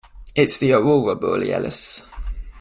It's the aurora borealis.